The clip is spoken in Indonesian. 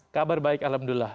kabar baik alhamdulillah